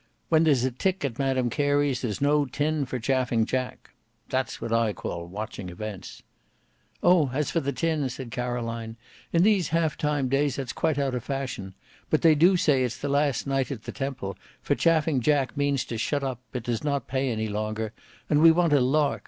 "When there's a tick at Madam Carey's there is no tin for Chaffing Jack. That's what I call watching events." "Oh! as for the tin," said Caroline, "in these half time days that's quite out of fashion. But they do say it's the last night at the Temple, for Chaffing Jack means to shut up, it does not pay any longer; and we want a lark.